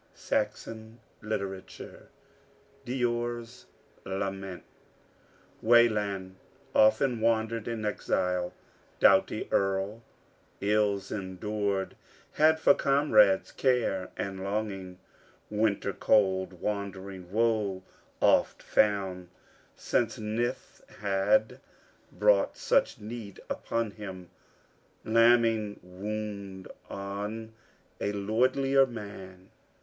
C. Heath & Co., Publishers. DEOR'S LAMENT Wayland often wandered in exile, doughty earl, ills endur'd, had for comrades care and longing, winter cold wandering; woe oft found since Nithhad brought such need upon him, laming wound on a lordlier man.